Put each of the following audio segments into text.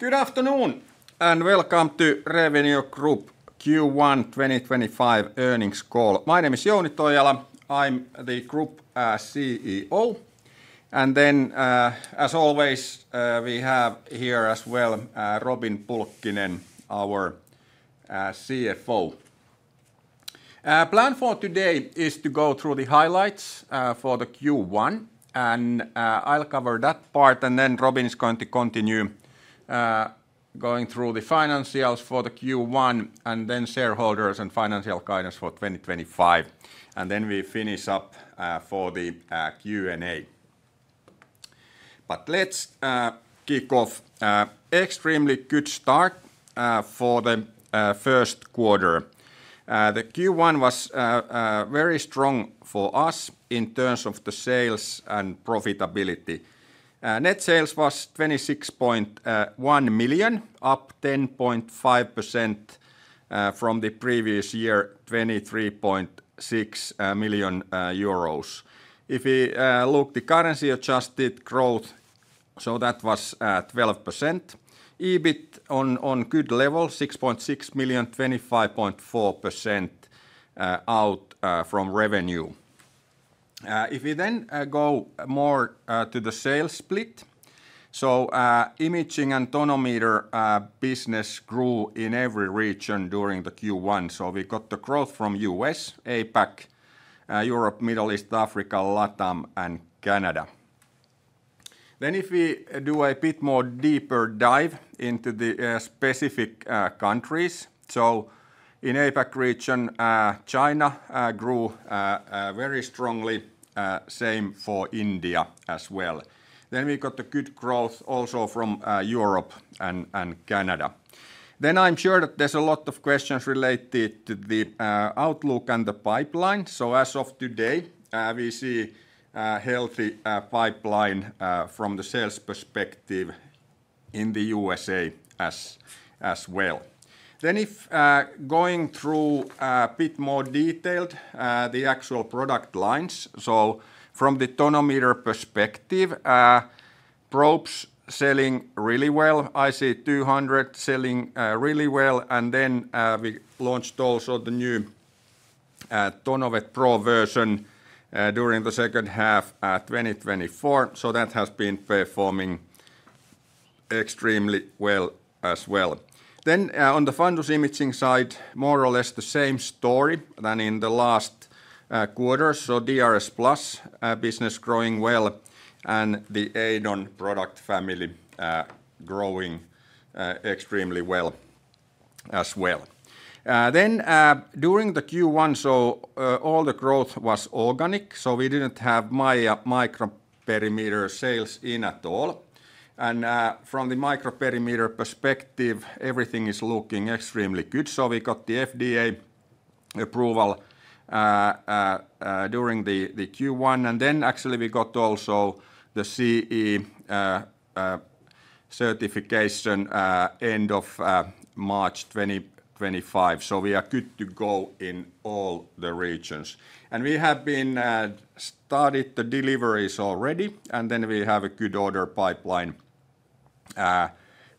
Good afternoon and welcome to Revenio Group Q1 2025 earnings call. My name is Jouni Toijala. I'm the Group CEO. As always, we have here as well Robin Pulkkinen, our CFO. Plan for today is to go through the highlights for the Q1, and I'll cover that part, and Robin is going to continue going through the financials for the Q1, and then shareholders and financial guidance for 2025. We finish up for the Q&A. Let's kick off. Extremely good start for the first quarter. The Q1 was very strong for us in terms of the sales and profitability. Net sales was 26.1 million, up 10.5% from the previous year, 23.6 million euros. If we look at the currency-adjusted growth, that was 12%. EBIT on good level, 6.6 million, 25.4% out from revenue. If we then go more to the sales split, imaging and tonometer business grew in every region during the Q1. We got the growth from the U.S.A, APAC, Europe, Middle East, Africa, Latam, and Canada. If we do a bit more deeper dive into the specific countries, in the APAC region, China grew very strongly, same for India as well. We got the good growth also from Europe and Canada. I'm sure that there's a lot of questions related to the outlook and the pipeline. As of today, we see a healthy pipeline from the sales perspective in the USA as well. If going through a bit more detailed, the actual product lines, from the tonometer perspective, probes selling really well, IC200 selling really well, and we launched also the new TonoVet Pro version during the second half of 2024. That has been performing extremely well as well. On the fundus imaging side, more or less the same story than in the last quarter. DRSplus business growing well and the EIDON product family growing extremely well as well. During Q1, all the growth was organic. We did not have microperimeter sales in at all. From the microperimeter perspective, everything is looking extremely good. We got the FDA approval during Q1. Actually, we got also the CE certification end of March 2025. We are good to go in all the regions. We have been starting the deliveries already. We have a good order pipeline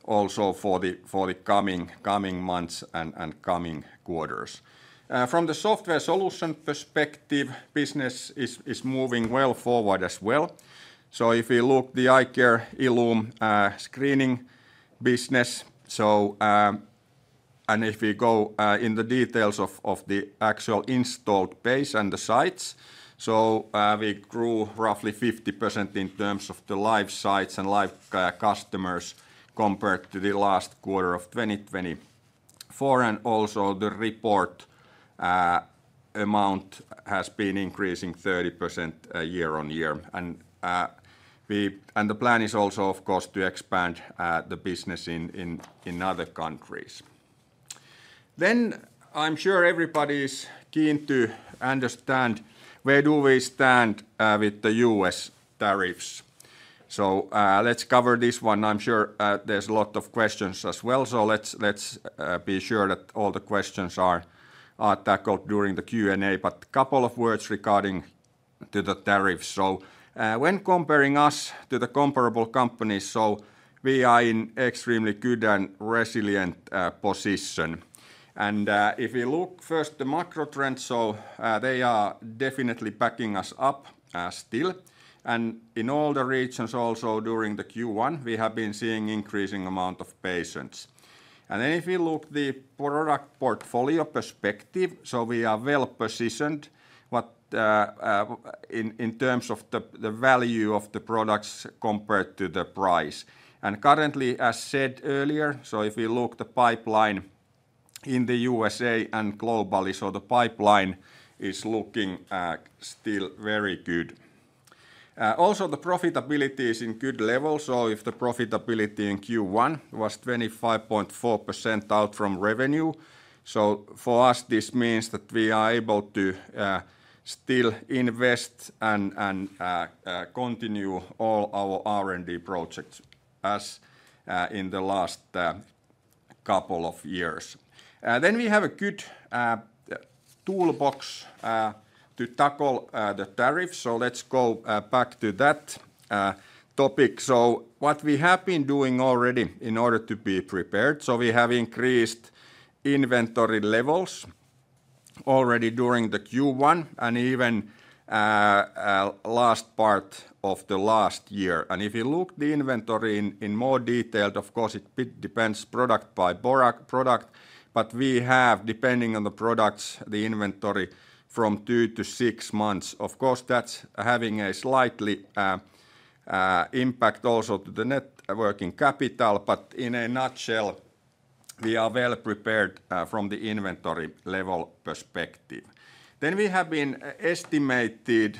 also for the coming months and coming quarters. From the software solution perspective, business is moving well forward as well. If we look at the iCare, ILLUME screening business. If we go in the details of the actual installed base and the sites, we grew roughly 50% in terms of the live sites and live customers compared to the last quarter of 2024. Also, the report amount has been increasing 30% year on year. The plan is also, of course, to expand the business in other countries. I am sure everybody is keen to understand where do we stand with the U.S. tariffs. Let's cover this one. I am sure there are a lot of questions as well. Let's be sure that all the questions are tackled during the Q&A. A couple of words regarding the tariffs. When comparing us to the comparable companies, we are in an extremely good and resilient position. If we look first at the macro trends, they are definitely backing us up still. In all the regions also during Q1, we have been seeing an increasing amount of patients. If we look at the product portfolio perspective, we are well positioned in terms of the value of the products compared to the price. Currently, as said earlier, if we look at the pipeline in the USA and globally, the pipeline is looking still very good. Also, the profitability is in good level. The profitability in Q1 was 25.4% out from revenue. For us, this means that we are able to still invest and continue all our R&D projects as in the last couple of years. We have a good toolbox to tackle the tariffs. Let's go back to that topic. What we have been doing already in order to be prepared. We have increased inventory levels already during Q1 and even last part of last year. If you look at the inventory in more detail, of course, it depends product by product. We have, depending on the products, the inventory from two to six months. Of course, that is having a slightly impact also to the net working capital. In a nutshell, we are well prepared from the inventory level perspective. We have been estimating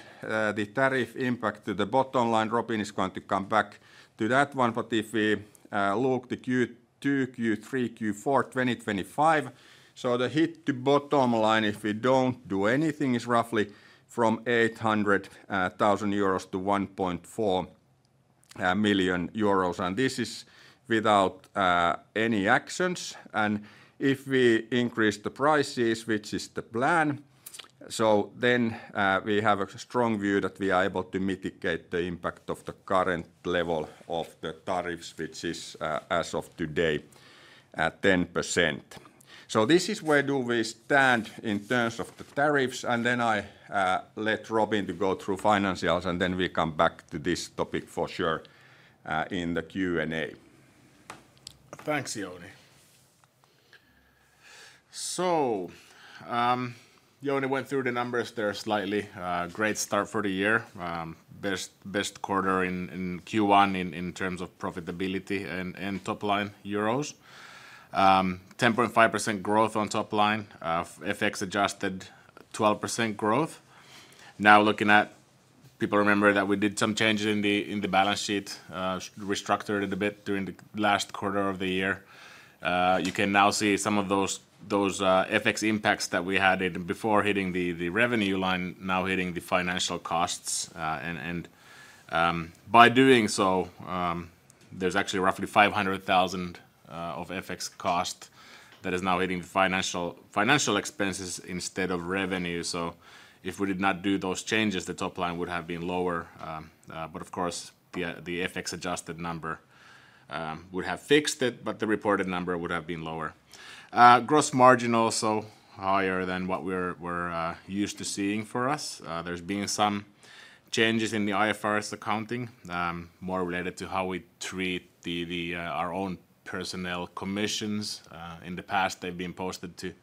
the tariff impact to the bottom line. Robin is going to come back to that one. If we look at Q2, Q3, Q4 2025, the hit to bottom line if we do not do anything is roughly 800,000-1.4 million euros. This is without any actions. If we increase the prices, which is the plan, we have a strong view that we are able to mitigate the impact of the current level of the tariffs, which is as of today, 10%. This is where we stand in terms of the tariffs. I let Robin go through financials and then we come back to this topic for sure in the Q&A. Thanks, Jouni. Jouni went through the numbers there slightly. Great start for the year. Best quarter in Q1 in terms of profitability and top line euros. 10.5% growth on top line. FX adjusted 12% growth. Now looking at, people remember that we did some changes in the balance sheet, restructured it a bit during the last quarter of the year. You can now see some of those FX impacts that we had before hitting the revenue line, now hitting the financial costs. By doing so, there's actually roughly 500,000 of FX cost that is now hitting the financial expenses instead of revenue. If we did not do those changes, the top line would have been lower. Of course, the FX adjusted number would have fixed it, but the reported number would have been lower. Gross margin also higher than what we're used to seeing for us. have been some changes in the IFRS accounting, more related to how we treat our own personnel commissions. In the past, they have been posted to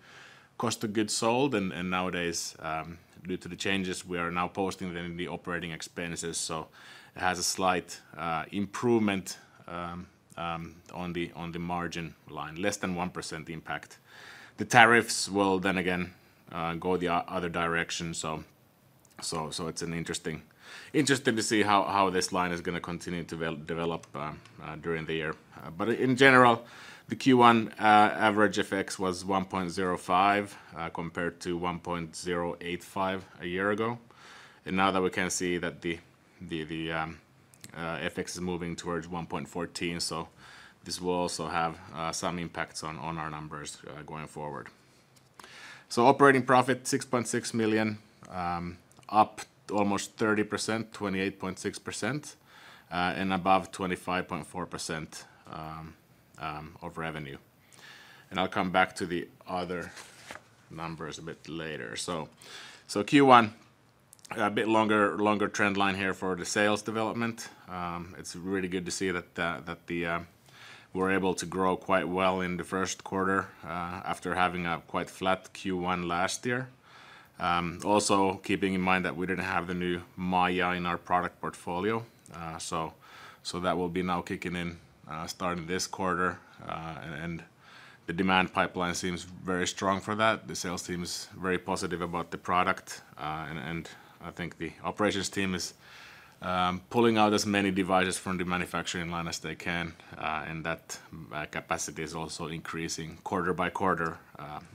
cost of goods sold, and nowadays, due to the changes, we are now posting them in the operating expenses. It has a slight improvement on the margin line, less than 1% impact. The tariffs will then again go the other direction. It is interesting to see how this line is going to continue to develop during the year. In general, the Q1 average FX was 1.05 compared to 1.085 a year ago. Now that we can see that the FX is moving towards 1.14, this will also have some impacts on our numbers going forward. Operating profit 6.6 million, up almost 30%, 28.6%, and above 25.4% of revenue. I will come back to the other numbers a bit later. Q1, a bit longer trend line here for the sales development. It's really good to see that we're able to grow quite well in the first quarter after having a quite flat Q1 last year. Also keeping in mind that we didn't have the new MAIA in our product portfolio. That will be now kicking in starting this quarter. The Demant pipeline seems very strong for that. The sales team is very positive about the product. I think the operations team is pulling out as many devices from the manufacturing line as they can. That capacity is also increasing quarter by quarter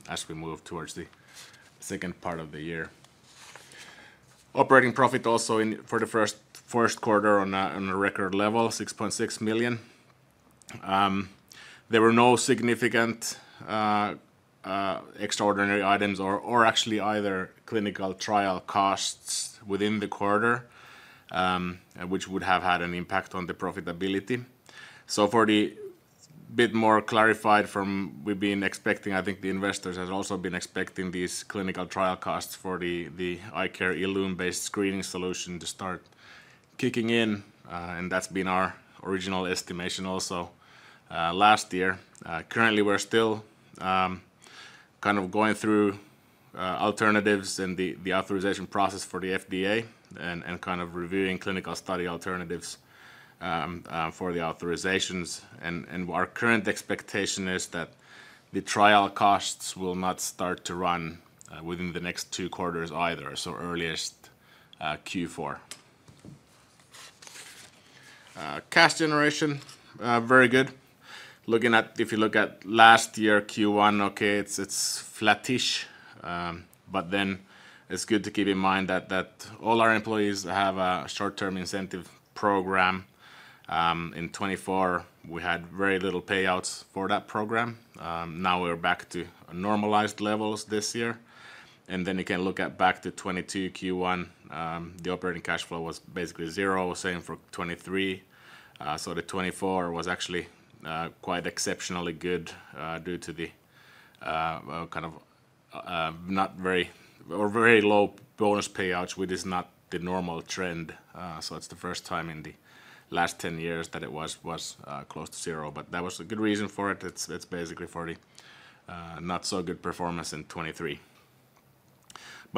as we move towards the second part of the year. Operating profit also for the first quarter on a record level, 6.6 million. There were no significant extraordinary items or actually either clinical trial costs within the quarter, which would have had an impact on the profitability. For the bit more clarified from we've been expecting, I think the investors have also been expecting these clinical trial costs for the iCare ILLUME-based screening solution to start kicking in. That's been our original estimation also last year. Currently, we're still kind of going through alternatives and the authorization process for the FDA and kind of reviewing clinical study alternatives for the authorizations. Our current expectation is that the trial costs will not start to run within the next two quarters either, earliest Q4. Cash generation, very good. Looking at, if you look at last year Q1, okay, it's flattish. It's good to keep in mind that all our employees have a short-term incentive program. In 2024, we had very little payouts for that program. Now we're back to normalized levels this year. You can look back to 2022 Q1, the operating cash flow was basically zero, same for 2023. The 2024 was actually quite exceptionally good due to the kind of not very or very low bonus payouts, which is not the normal trend. It's the first time in the last 10 years that it was close to zero. That was a good reason for it. It's basically for the not so good performance in 2023.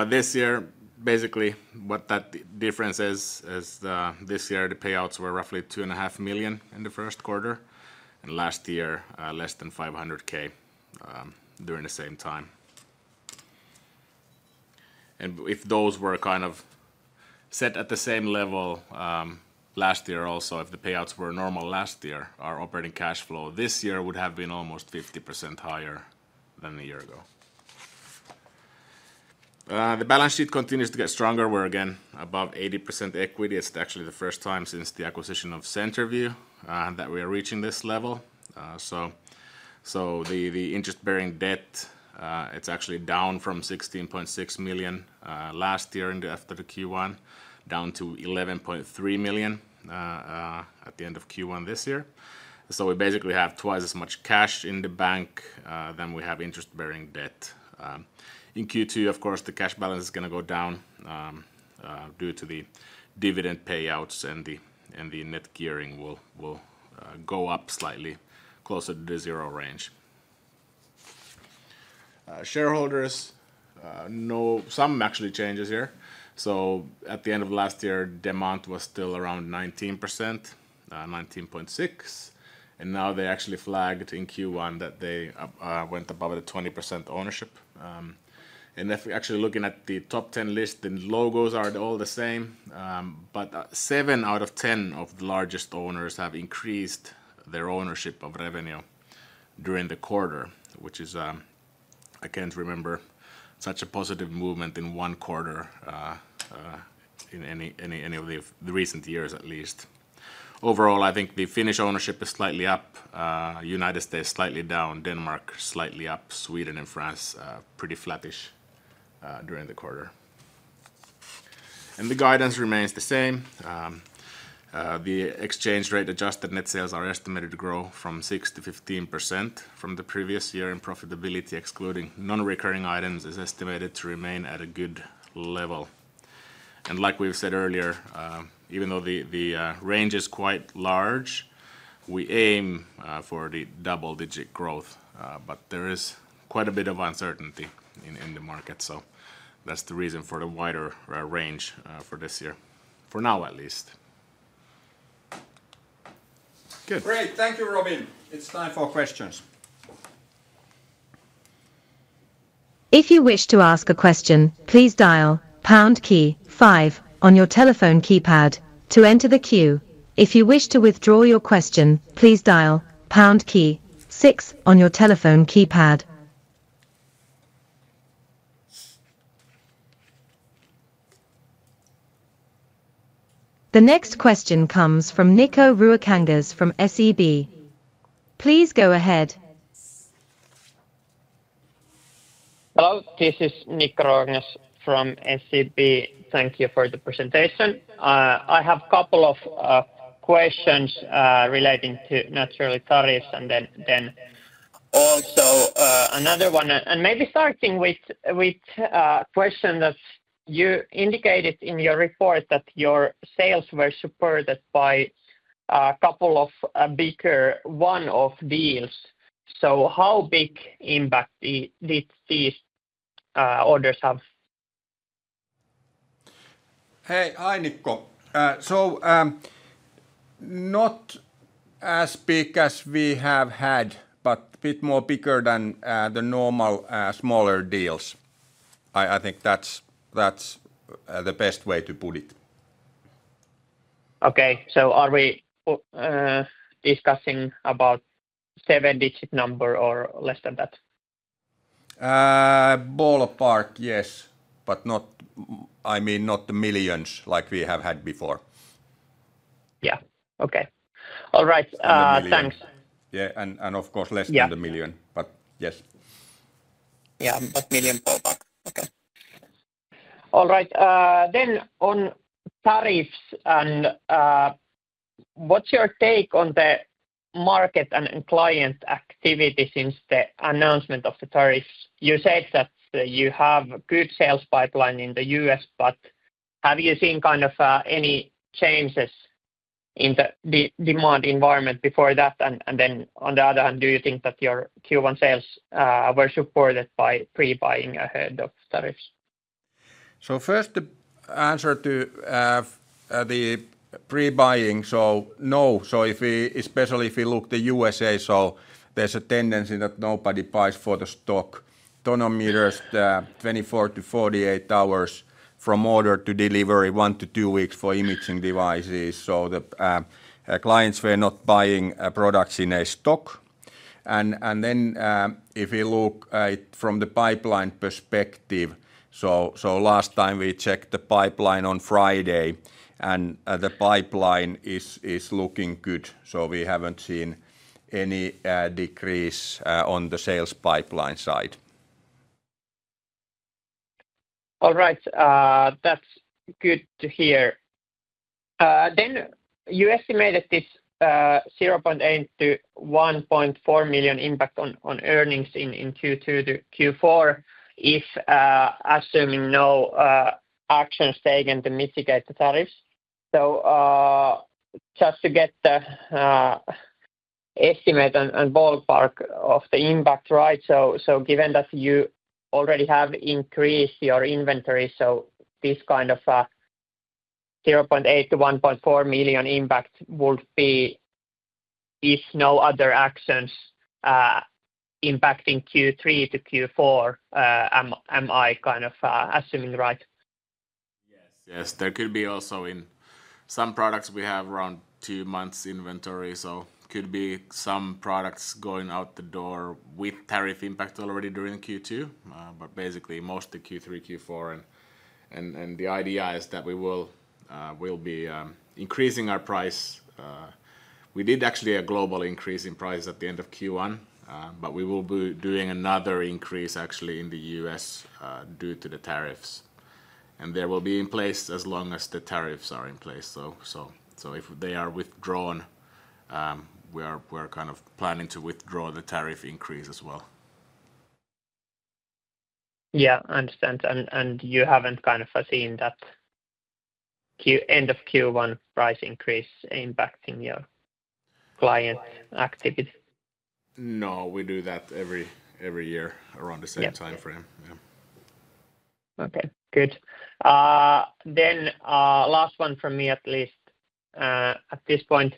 This year, basically what that difference is, is this year the payouts were roughly 2.5 million in the first quarter and last year less than 500,000 during the same time. If those were kind of set at the same level last year also, if the payouts were normal last year, our operating cash flow this year would have been almost 50% higher than a year ago. The balance sheet continues to get stronger. We are again above 80% equity. It is actually the first time since the acquisition of CenterVue that we are reaching this level. The interest-bearing debt is actually down from 16.6 million last year after the Q1, down to 11.3 million at the end of Q1 this year. We basically have twice as much cash in the bank than we have interest-bearing debt. In Q2, of course, the cash balance is going to go down due to the dividend payouts and the net gearing will go up slightly closer to the zero range. Shareholders, some actually changes here. At the end of last year, Demant was still around 19%, 19.6%. Now they actually flagged in Q1 that they went above the 20% ownership. If we're actually looking at the top 10 list, the logos are all the same. Seven out of 10 of the largest owners have increased their ownership of Revenio during the quarter, which is, I can't remember such a positive movement in one quarter in any of the recent years at least. Overall, I think the Finnish ownership is slightly up, United States slightly down, Denmark slightly up, Sweden and France pretty flattish during the quarter. The guidance remains the same. The exchange rate adjusted net sales are estimated to grow from 6%-15% from the previous year in profitability, excluding non-recurring items, is estimated to remain at a good level. Like we've said earlier, even though the range is quite large, we aim for the double-digit growth. There is quite a bit of uncertainty in the market. That is the reason for the wider range for this year, for now at least. Good. Great. Thank you, Robin. It's time for questions. If you wish to ask a question, please dial pound key five on your telephone keypad to enter the queue. If you wish to withdraw your question, please dial pound key six on your telephone keypad. The next question comes from Nikko Ruokangas from SEB. Please go ahead. Hello, this is Nikko Ruokangas from SEB. Thank you for the presentation. I have a couple of questions relating to naturally tariffs and then also another one. Maybe starting with a question that you indicated in your report that your sales were supported by a couple of bigger one-off deals. How big impact did these orders have? Hey, hi, Nikko. Not as big as we have had, but a bit more bigger than the normal smaller deals. I think that's the best way to put it. Okay, so are we discussing about seven-digit number or less than that? Ball of bark, yes. I mean not the millions like we have had before. Yeah, okay. All right, thanks. Yeah, and of course less than the million, but yes. Yeah, but million ball of bark, okay. All right, then on tariffs, what's your take on the market and client activity since the announcement of the tariffs? You said that you have a good sales pipeline in the US, but have you seen kind of any changes in the demand environment before that? On the other hand, do you think that your Q1 sales were supported by pre-buying ahead of tariffs? First, answer to the pre-buying, no. Especially if we look at the USA, there is a tendency that nobody buys for the stock. Tonometers, 24-48 hours from order to delivery, one to two weeks for imaging devices. The clients were not buying products in a stock. If you look from the pipeline perspective, last time we checked the pipeline on Friday and the pipeline is looking good. We have not seen any decrease on the sales pipeline side. All right, that's good to hear. You estimated this 0.8-1.4 million impact on earnings in Q2 to Q4, assuming no actions taken to mitigate the tariffs. Just to get the estimate and ballpark of the impact, right? Given that you already have increased your inventory, this kind of 0.8-1.4 million impact would be if no other actions impacting Q3 to Q4, am I kind of assuming right? Yes, there could be also in some products we have around two months inventory. Could be some products going out the door with tariff impact already during Q2, but basically mostly Q3, Q4. The idea is that we will be increasing our price. We did actually a global increase in price at the end of Q1, but we will be doing another increase actually in the US due to the tariffs. There will be in place as long as the tariffs are in place. If they are withdrawn, we're kind of planning to withdraw the tariff increase as well. Yeah, I understand. You have not kind of seen that end of Q1 price increase impacting your client activity? No, we do that every year around the same timeframe. Okay, good. Then last one for me at least at this point.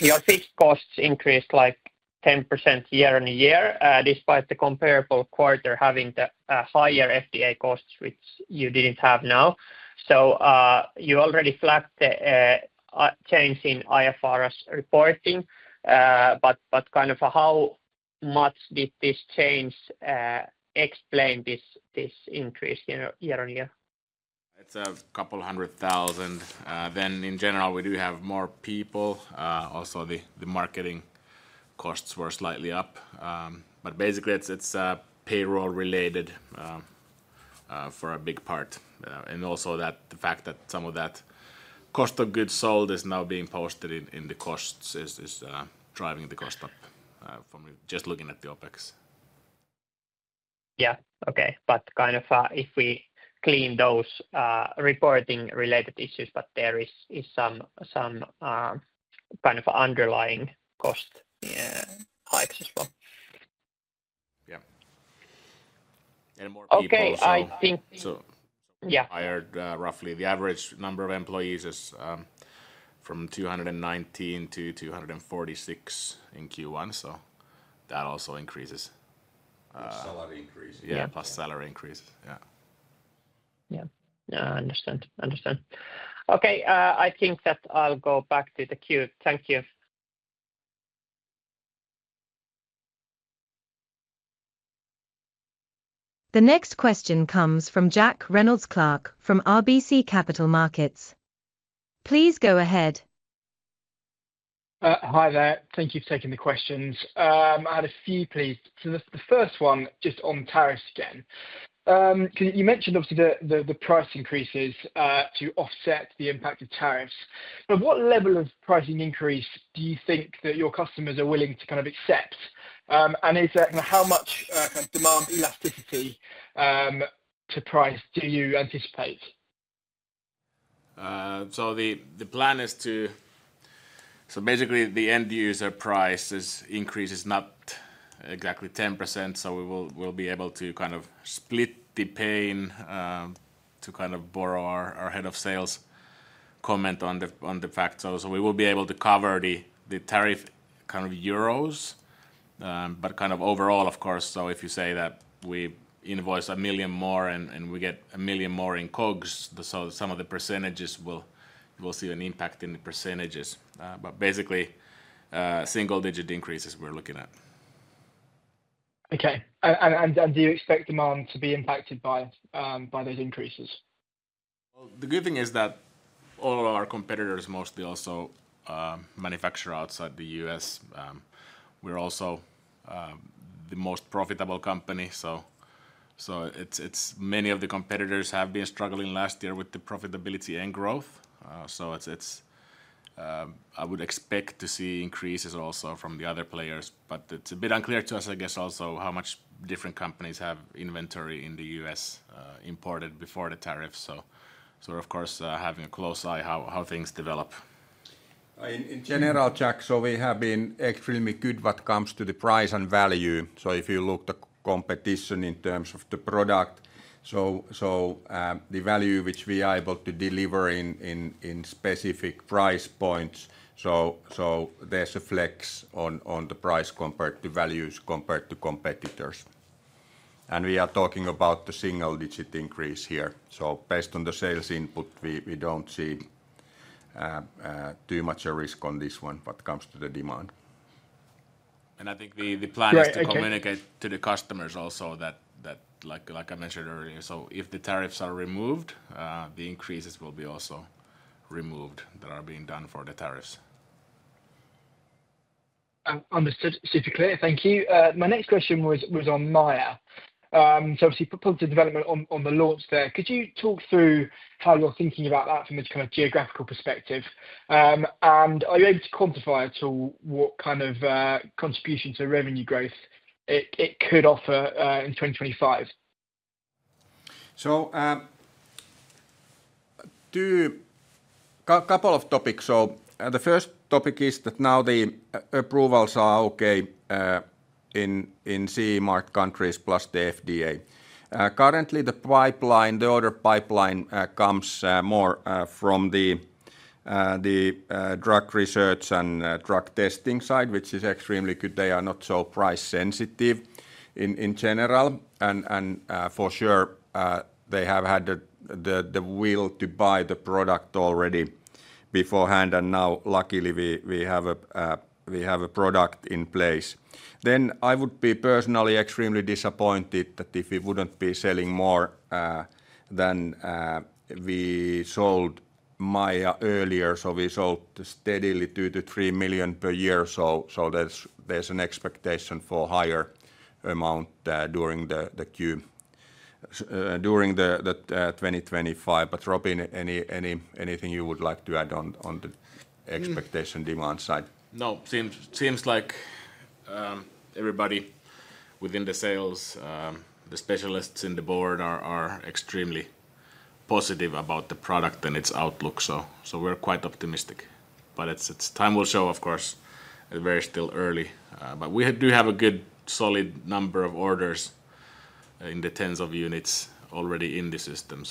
Your fixed costs increased like 10% year on year despite the comparable quarter having the higher FDA costs, which you did not have now. You already flagged the change in IFRS reporting, but kind of how much did this change explain this increase year on year? It's a couple hundred thousand. In general, we do have more people. Also, the marketing costs were slightly up. Basically, it's payroll related for a big part. Also, the fact that some of that cost of goods sold is now being posted in the costs is driving the cost up from just looking at the OpEx. Yeah, okay. If we clean those reporting related issues, there is some kind of underlying cost hikes as well. Yeah. More people. Okay, I think. I heard roughly the average number of employees is from 219 to 246 in Q1. That also increases. Salary increase. Yeah, plus salary increase. Yeah. Yeah, I understand. Okay, I think that I'll go back to the queue. Thank you. The next question comes from Jack Reynolds-Clark from RBC Capital Markets. Please go ahead. Hi there. Thank you for taking the questions. I had a few, please. The first one just on tariffs again. You mentioned obviously the price increases to offset the impact of tariffs. What level of pricing increase do you think that your customers are willing to kind of accept? How much kind of Demant elasticity to price do you anticipate? The plan is to, basically the end user price increase is not exactly 10%. We will be able to kind of split the pain to kind of borrow our Head of Sales comment on the fact. We will be able to cover the tariff kind of euros, but kind of overall, of course. If you say that we invoice a million more and we get a million more in COGS, some of the percentages will see an impact in the percentages. Basically single-digit increases we're looking at. Okay. Do you expect Demant to be impacted by those increases? The good thing is that all of our competitors mostly also manufacture outside the U.S. We are also the most profitable company. Many of the competitors have been struggling last year with the profitability and growth. I would expect to see increases also from the other players. It is a bit unclear to us, I guess, also how much different companies have inventory in the U.S. imported before the tariffs. Of course, having a close eye how things develop. In general, Jack, we have been extremely good what comes to the price and value. If you look at the competition in terms of the product, the value which we are able to deliver in specific price points. There is a flex on the price compared to values compared to competitors. We are talking about the single-digit increase here. Based on the sales input, we do not see too much a risk on this one what comes to the demand. I think the plan is to communicate to the customers also that, like I mentioned earlier, if the tariffs are removed, the increases will be also removed that are being done for the tariffs. Understood. Super clear. Thank you. My next question was on MAIA. Obviously positive development on the launch there. Could you talk through how you're thinking about that from a geographical perspective? Are you able to quantify at all what kind of contribution to revenue growth it could offer in 2025? A couple of topics. The first topic is that now the approvals are okay in CE marked countries plus the FDA. Currently, the pipeline, the order pipeline comes more from the drug research and drug testing side, which is extremely good. They are not so price sensitive in general. For sure, they have had the will to buy the product already beforehand. Now luckily we have a product in place. I would be personally extremely disappointed if we would not be selling more than we sold MAIA earlier. We sold steadily 2 million-3 million per year. There is an expectation for a higher amount during the queue, during 2025. Robin, anything you would like to add on the expectation demand side? No, seems like everybody within the sales, the specialists in the board are extremely positive about the product and its outlook. We are quite optimistic. Time will show, of course. It is still very early. We do have a good solid number of orders in the tens of units already in the system.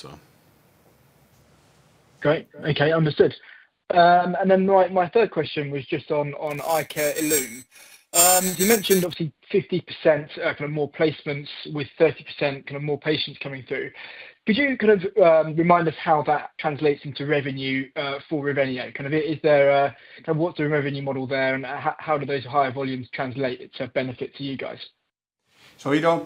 Great. Okay, understood. My third question was just on iCare ILLUM. You mentioned obviously 50% kind of more placements with 30% kind of more patients coming through. Could you kind of remind us how that translates into revenue for Revenio? Kind of what's the revenue model there and how do those higher volumes translate to benefit to you guys? We do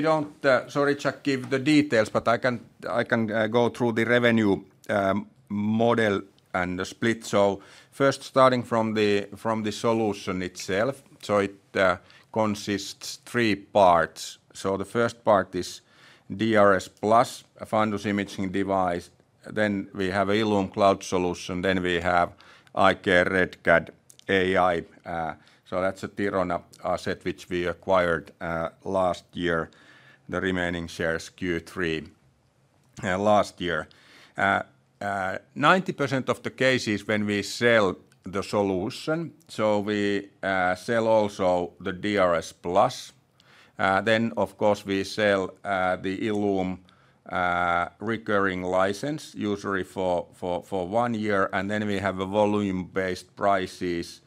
not, sorry Jack, give the details, but I can go through the revenue model and the split. First, starting from the solution itself, it consists of three parts. The first part is DRSplus, a fundus imaging device. Then we have ILLUME Cloud Solution. Then we have iCare RetCAD AI. That is a Thirona asset which we acquired last year, the remaining shares in Q3 last year. In 90% of the cases when we sell the solution, we also sell the DRSplus. Of course, we sell the ILLUME recurring license, usually for one year. We have volume-based prices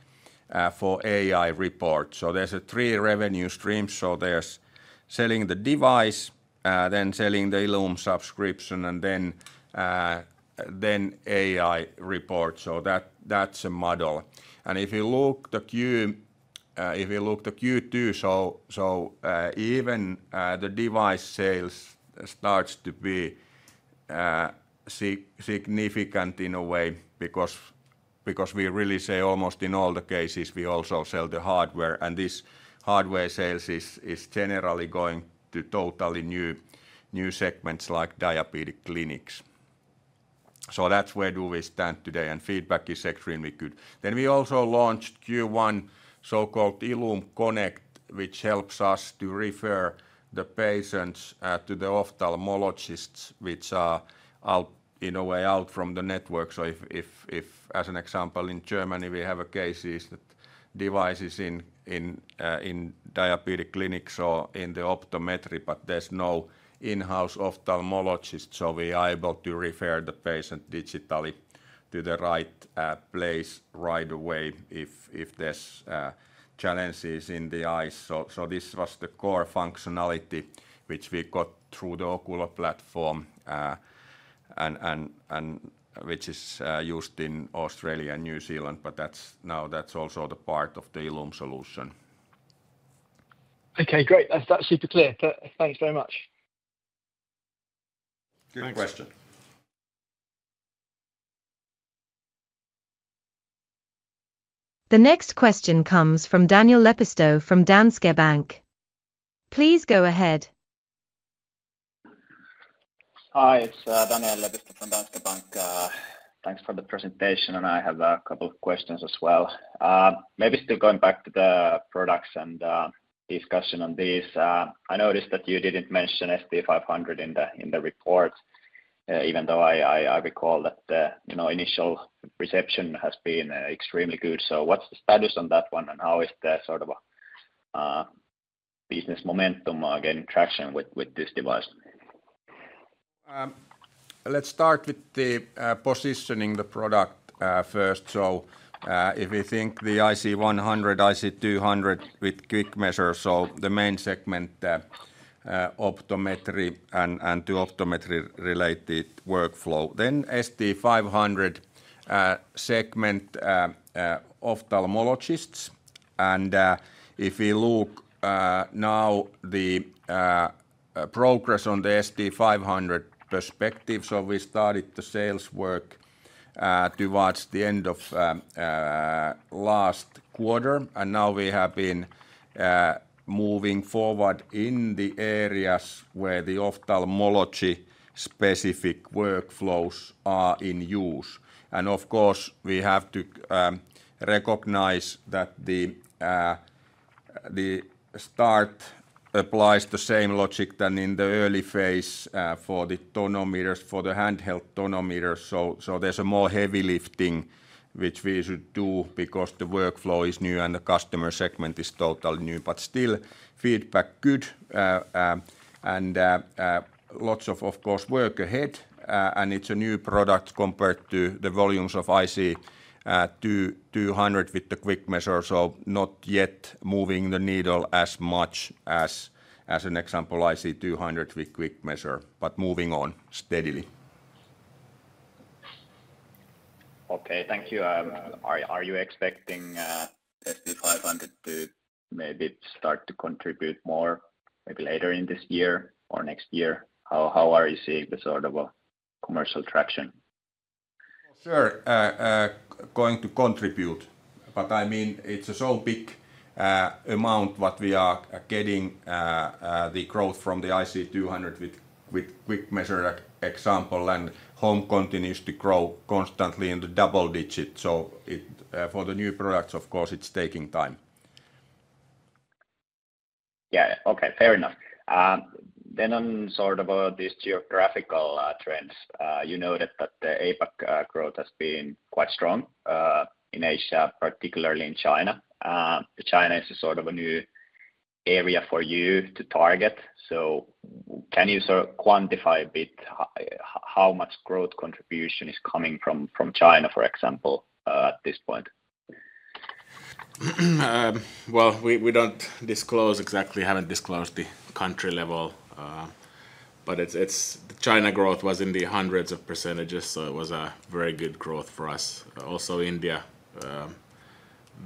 for AI reports. There are three revenue streams: selling the device, selling the ILLUME subscription, and AI reports. That is the model. If you look at the Q2, even the device sales starts to be significant in a way because we really say almost in all the cases we also sell the hardware. This hardware sales is generally going to totally new segments like diabetic clinics. That is where we stand today. Feedback is extremely good. We also launched Q1 so-called ILLUME Connect, which helps us to refer the patients to the ophthalmologists, which are in a way out from the network. For example, in Germany we have a case that devices in diabetic clinics or in the optometry, but there is no in-house ophthalmologist. We are able to refer the patient digitally to the right place right away if there are challenges in the eyes. This was the core functionality which we got through the Oculo platform, which is used in Australia and New Zealand. Now that's also the part of the ILLUME solution. Okay, great. That's super clear. Thanks very much. Good question. The next question comes from Daniel Lepisto from Danske Bank. Please go ahead. Hi, it's Daniel Lepisto from Danske Bank. Thanks for the presentation. I have a couple of questions as well. Maybe still going back to the products and discussion on these. I noticed that you did not mention SD500 in the report, even though I recall that the initial reception has been extremely good. What is the status on that one? How is the sort of business momentum getting traction with this device? Let's start with the positioning of the product first. If we think the IC100, IC200 with QuickMeasure, the main segment is optometry and the optometry related workflow. SD500 segments ophthalmologists. If we look now at the progress on the SD500 perspective, we started the sales work towards the end of last quarter. We have been moving forward in the areas where the ophthalmology specific workflows are in use. We have to recognize that the start applies the same logic as in the early phase for the handheld tonometers. There is more heavy lifting which we should do because the workflow is new and the customer segment is totally new. Still, feedback is good. Lots of, of course, work ahead. It is a new product compared to the volumes of IC200 with the QuickMeasure. Not yet moving the needle as much as, as an example, IC200 with QuickMeasure, but moving on steadily. Okay, thank you. Are you expecting SD500 to maybe start to contribute more maybe later in this year or next year? How are you seeing the sort of commercial traction? Sure. Going to contribute. I mean it's a so big amount what we are getting the growth from the IC200 with QuickMeasure example. And home continues to grow constantly in the double digit. For the new products, of course, it's taking time. Yeah, okay. Fair enough. On sort of these geographical trends, you noted that the APAC growth has been quite strong in Asia, particularly in China. China is a sort of a new area for you to target. Can you quantify a bit how much growth contribution is coming from China, for example, at this point? We do not disclose exactly. We have not disclosed the country level. China growth was in the hundreds of percentages. It was a very good growth for us. Also India,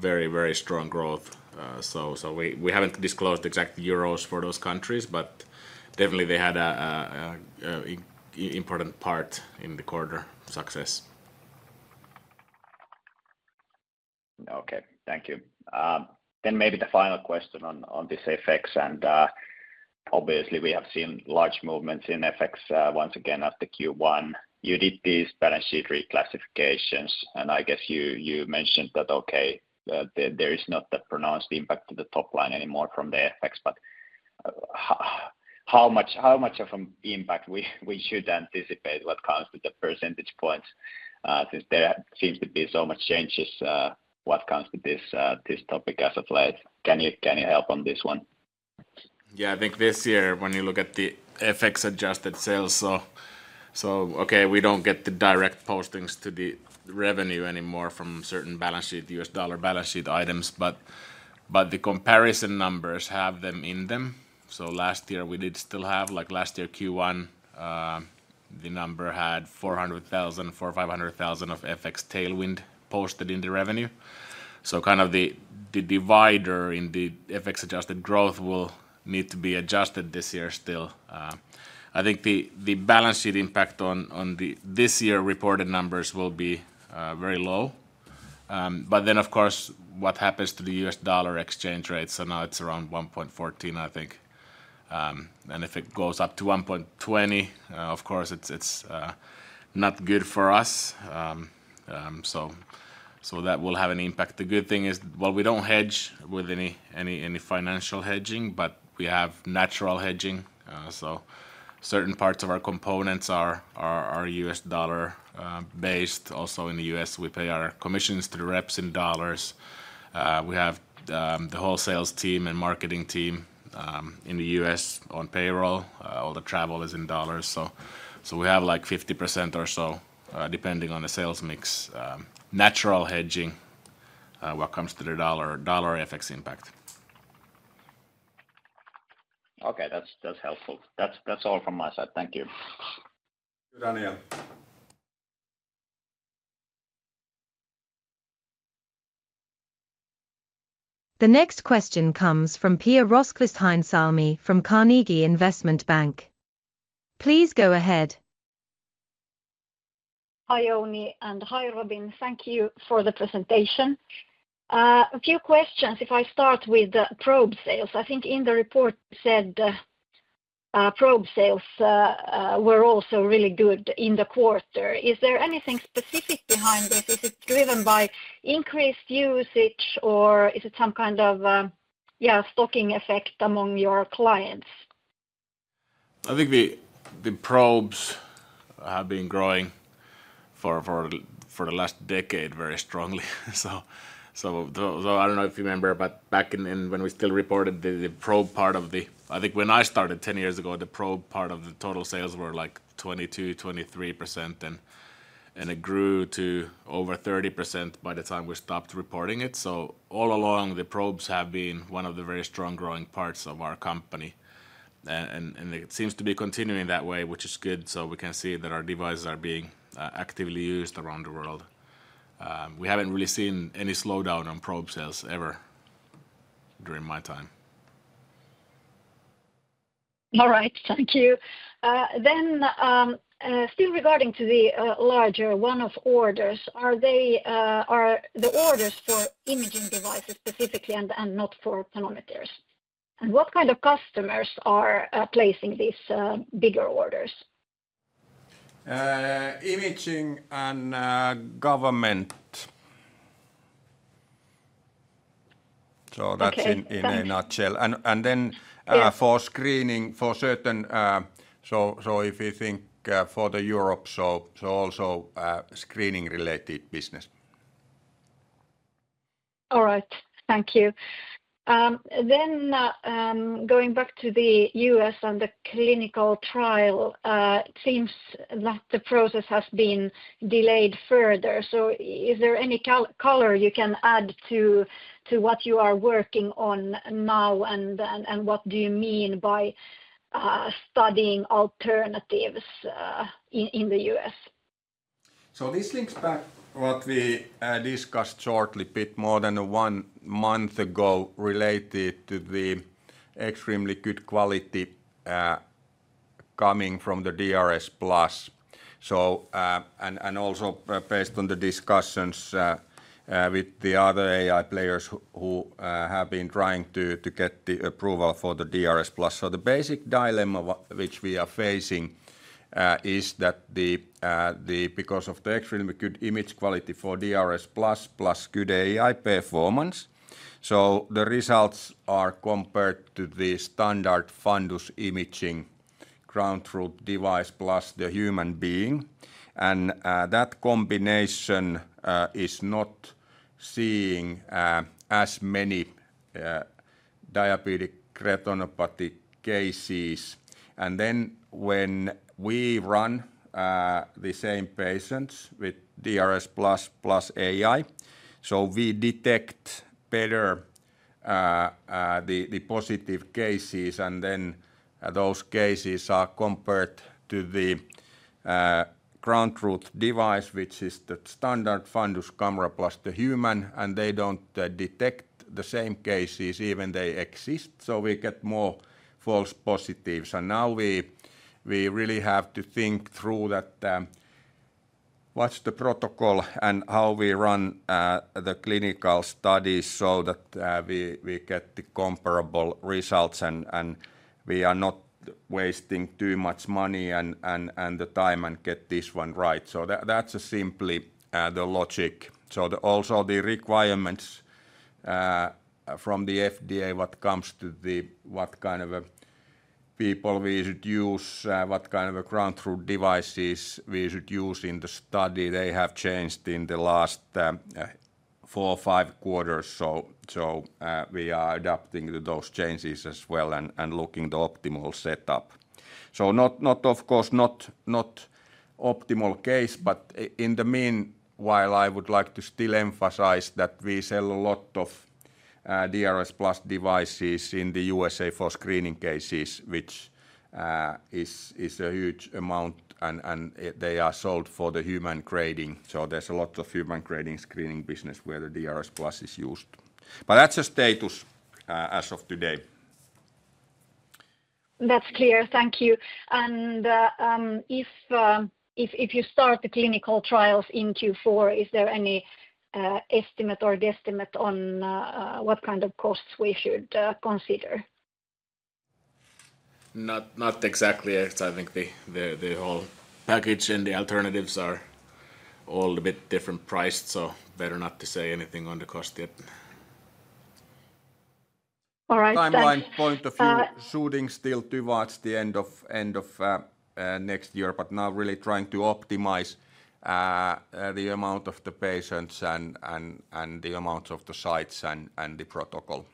very, very strong growth. We have not disclosed exact EUR amounts for those countries, but definitely they had an important part in the quarter success. Okay, thank you. Maybe the final question on this FX. Obviously we have seen large movements in FX once again after Q1. You did these balance sheet reclassifications. I guess you mentioned that, okay, there is not that pronounced impact to the top line anymore from the FX. How much of an impact should we anticipate when it comes to the percentage points since there seems to be so much change when it comes to this topic as of late. Can you help on this one? Yeah, I think this year when you look at the FX adjusted sales, okay, we don't get the direct postings to the revenue anymore from certain US dollar balance sheet items. The comparison numbers have them in them. Last year we did still have, like last year Q1, the number had 4,500,000 of FX tailwind posted in the revenue. The divider in the FX adjusted growth will need to be adjusted this year still. I think the balance sheet impact on this year reported numbers will be very low. Of course, what happens to the US dollar exchange rate. Now it's around 1.14, I think. If it goes up to 1.20, of course it's not good for us. That will have an impact. The good thing is, we don't hedge with any financial hedging, but we have natural hedging. Certain parts of our components are US dollar based. Also in the US, we pay our commissions to the reps in dollars. We have the whole sales team and marketing team in the US on payroll. All the travel is in dollars. We have like 50% or so depending on the sales mix. Natural hedging what comes to the dollar FX impact. Okay, that's helpful. That's all from my side. Thank you. Daniel. The next question comes from Pia Rosqvist-Heinsalmi from Carnegie Investment Bank. Please go ahead. Hi, Jouni. Hi, Robin. Thank you for the presentation. A few questions. If I start with probe sales, I think in the report it said probe sales were also really good in the quarter. Is there anything specific behind it? Is it driven by increased usage, or is it some kind of, yeah, stocking effect among your clients? I think the probes have been growing for the last decade very strongly. I don't know if you remember, but back when we still reported the probe part of the, I think when I started 10 years ago, the probe part of the total sales were like 22-23%. It grew to over 30% by the time we stopped reporting it. All along, the probes have been one of the very strong growing parts of our company. It seems to be continuing that way, which is good. We can see that our devices are being actively used around the world. We haven't really seen any slowdown on probe sales ever during my time. All right, thank you. Still regarding the larger one-off orders, are the orders for imaging devices specifically and not for tonometers? What kind of customers are placing these bigger orders? Imaging and government. That is in a nutshell. For screening for certain, if you think for the Europe, also screening related business. All right, thank you. Going back to the U.S. and the clinical trial, it seems that the process has been delayed further. Is there any color you can add to what you are working on now? What do you mean by studying alternatives in the U.S.? This links back to what we discussed shortly a bit more than one month ago related to the extremely good quality coming from the DRSplus. Also, based on the discussions with the other AI players who have been trying to get the approval for the DRSplus, the basic dilemma which we are facing is that because of the extremely good image quality for DRSplus plus good AI performance, the results are compared to the standard fundus imaging ground truth device plus the human being. That combination is not seeing as many diabetic retinopathy cases. When we run the same patients with DRSplus plus AI, we detect better the positive cases. Those cases are then compared to the ground truth device, which is the standard fundus camera plus the human. They do not detect the same cases even though they exist. We get more false positives. Now we really have to think through what the protocol is and how we run the clinical studies so that we get comparable results and we are not wasting too much money and time and get this one right. That is simply the logic. Also, the requirements from the FDA regarding what kind of people we should use and what kind of ground truth devices we should use in the study have changed in the last four to five quarters. We are adapting to those changes as well and looking for the optimal setup. Of course, not optimal case, but in the meanwhile, I would like to still emphasize that we sell a lot of DRSplus devices in the U.S.A. for screening cases, which is a huge amount and they are sold for the human grading. There is a lot of human grading screening business where the DRSplus is used. That is the status as of today. That's clear. Thank you. If you start the clinical trials in Q4, is there any estimate or guesstimate on what kind of costs we should consider? Not exactly. I think the whole package and the alternatives are all a bit different priced. Better not to say anything on the cost yet. All right. Timeline point of view, shooting still towards the end of next year, but now really trying to optimize the amount of the patients and the amount of the sites and the protocol.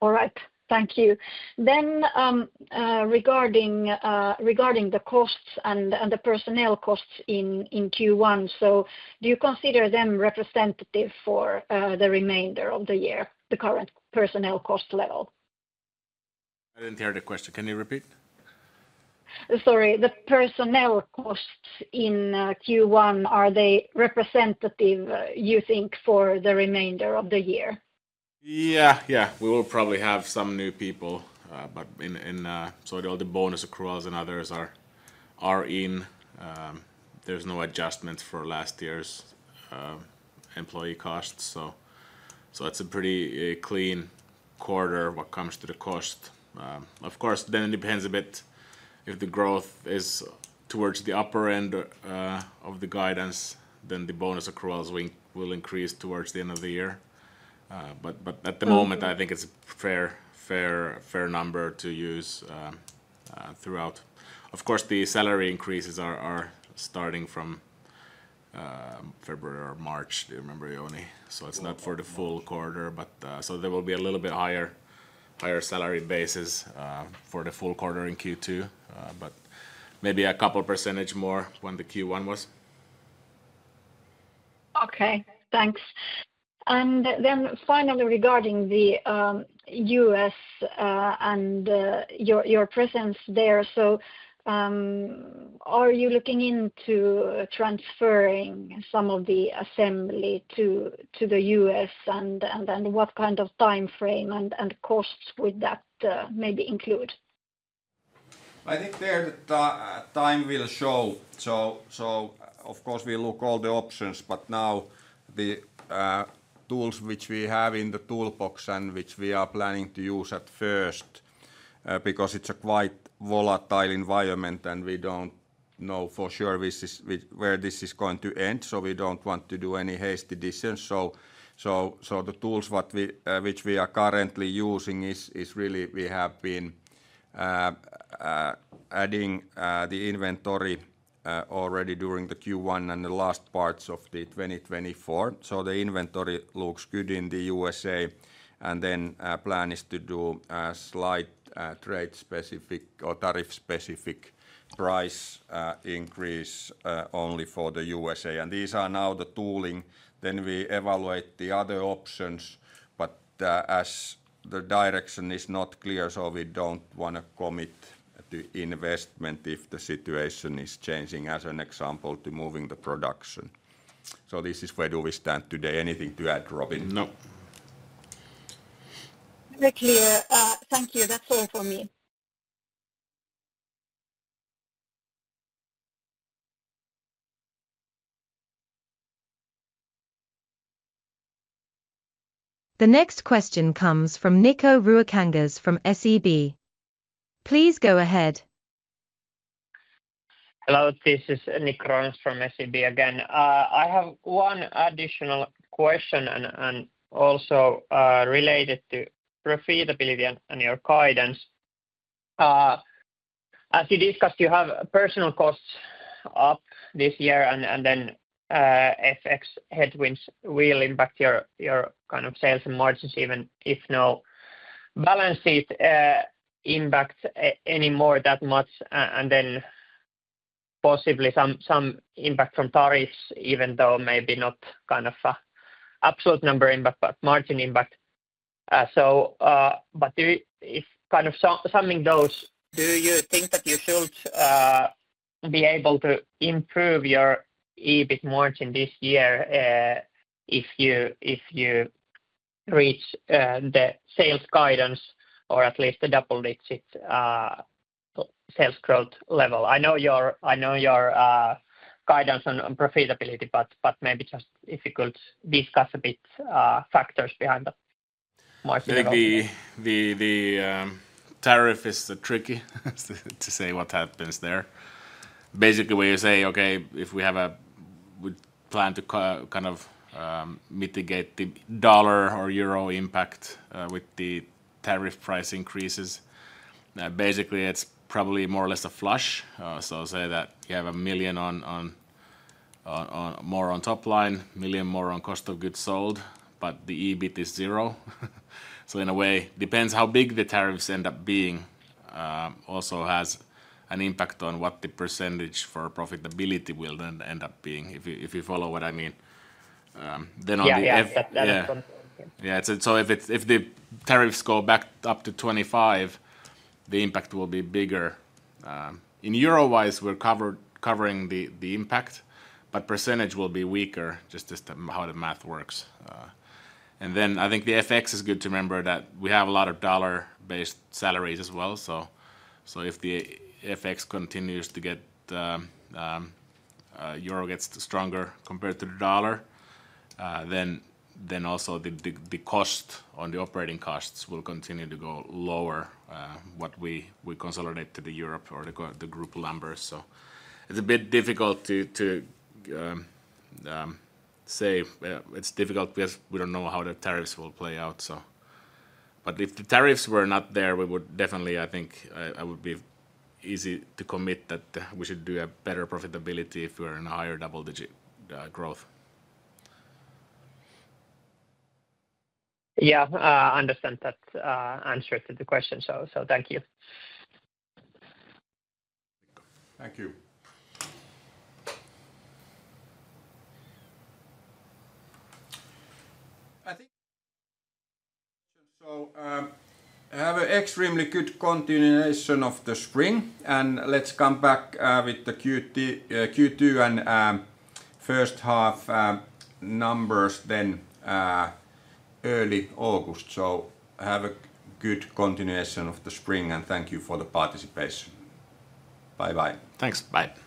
All right, thank you. Regarding the costs and the personnel costs in Q1, do you consider them representative for the remainder of the year, the current personnel cost level? I didn't hear the question. Can you repeat? Sorry, the personnel costs in Q1, are they representative you think for the remainder of the year? Yeah, yeah. We will probably have some new people, but in so all the bonus accruals and others are in. There's no adjustments for last year's employee costs. It's a pretty clean quarter what comes to the cost. Of course, it depends a bit if the growth is towards the upper end of the guidance, then the bonus accruals will increase towards the end of the year. At the moment, I think it's a fair number to use throughout. Of course, the salary increases are starting from February or March, do you remember, Omi. It's not for the full quarter, but there will be a little bit higher salary basis for the full quarter in Q2, but maybe a couple percentage more when the Q1 was. Okay, thanks. Finally, regarding the U.S. and your presence there, are you looking into transferring some of the assembly to the U.S. and what kind of timeframe and costs would that maybe include? I think there the time will show. Of course we look all the options, but now the tools which we have in the toolbox and which we are planning to use at first because it's a quite volatile environment and we don't know for sure where this is going to end. We don't want to do any hasty decisions. The tools which we are currently using is really we have been adding the inventory already during the Q1 and the last parts of the 2024. The inventory looks good in the USA and then plan is to do a slight trade specific or tariff specific price increase only for the USA. These are now the tooling. We evaluate the other options, but as the direction is not clear, we do not want to commit to investment if the situation is changing, as an example, to moving the production. This is where we stand today. Anything to add, Robin? No. Very clear. Thank you. That's all for me. The next question comes from Nikko Ruokangas from SEB. Please go ahead. Hello, this is Nikko Ruokangas from SEB again. I have one additional question and also related to profitability and your guidance. As you discussed, you have personnel costs up this year and then FX headwinds will impact your kind of sales and margins even if no balance sheet impact anymore that much. Possibly some impact from tariffs, even though maybe not kind of an absolute number impact, but margin impact. If kind of summing those, do you think that you should be able to improve your EBIT margin this year if you reach the sales guidance or at least the double-digit sales growth level? I know your guidance on profitability, but maybe just if you could discuss a bit factors behind that. Maybe the tariff is tricky to say what happens there. Basically, when you say, okay, if we have a plan to kind of mitigate the dollar or euro impact with the tariff price increases, basically it's probably more or less a flush. Say that you have a million more on top line, a million more on cost of goods sold, but the EBIT is zero. In a way, it depends how big the tariffs end up being. Also has an impact on what the percentage for profitability will then end up being if you follow what I mean. Then on the. Yeah, yeah. Yeah. If the tariffs go back up to 25%, the impact will be bigger. In EUR wise, we're covering the impact, but percentage will be weaker just as to how the math works. I think the FX is good to remember that we have a lot of dollar-based salaries as well. If the FX continues to get, euro gets stronger compared to the dollar, then also the cost on the operating costs will continue to go lower when we consolidate to the Europe or the group numbers. It's a bit difficult to say. It's difficult because we don't know how the tariffs will play out. If the tariffs were not there, we would definitely, I think I would be easy to commit that we should do a better profitability if we're in a higher double digit growth. I understand that answer to the question. Thank you. Thank you. I think I have an extremely good continuation of the spring. Let's come back with the Q2 and first half numbers early August. Have a good continuation of the spring and thank you for the participation. Bye-bye. Thanks. Bye.